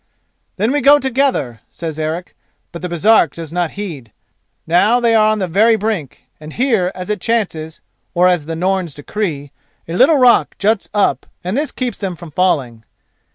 "Then we go together," says Eric, but the Baresark does not heed. Now they are on the very brink, and here as it chances, or as the Norns decree, a little rock juts up and this keeps them from falling.